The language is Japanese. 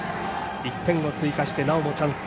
１点を追加してなおもチャンス。